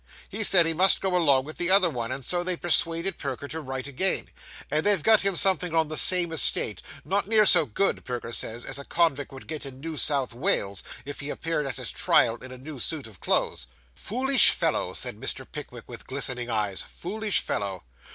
'He said he must go along with the other one, and so they persuaded Perker to write again, and they've got him something on the same estate; not near so good, Perker says, as a convict would get in New South Wales, if he appeared at his trial in a new suit of clothes.' 'Foolish fellow,' said Mr. Pickwick, with glistening eyes. 'Foolish fellow.